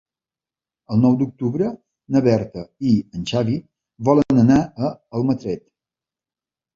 El nou d'octubre na Berta i en Xavi volen anar a Almatret.